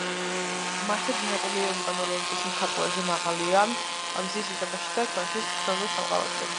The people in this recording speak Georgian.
მარსზე გიგანტური ვულკანური ოლიმპის მთა ყველაზე მაღალია მზის სისტემაში და ჩვენთვის ცნობილ სამყაროში.